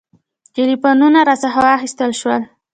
ټلفونونه راڅخه واخیستل شول.